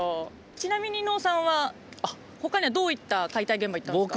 ちなみに伊野尾さんは他にはどういった解体現場行ったんですか？